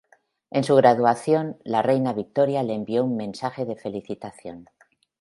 En su graduación, la reina Victoria le envió un mensaje de felicitación.